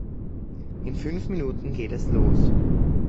In fünf Minuten geht es los.